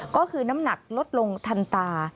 ก็คือน้ำหนักลดลงทันตา